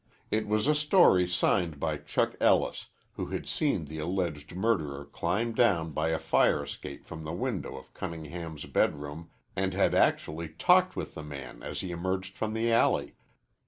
It was a story signed by Chuck Ellis, who had seen the alleged murderer climb down by a fire escape from the window of Cunningham's bedroom and had actually talked with the man as he emerged from the alley.